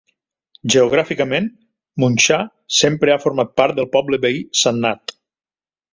Geogràficament, Munxar sempre ha format part del poble veí Sannat.